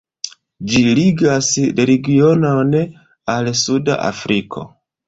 Ĝi ligas la regionon al suda Afriko.